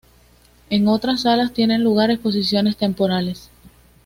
En otras salas tienen lugar exposiciones temporales.